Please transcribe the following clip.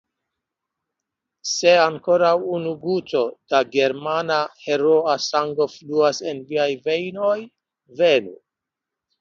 Se ankoraŭ unu guto da germana heroa sango fluas en viaj vejnoj, venu!